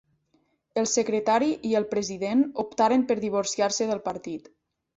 El secretari i el president optaren per divorciar-se del partit.